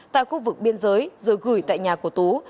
tại khu vực biên giới rồi gửi tại nhà của tú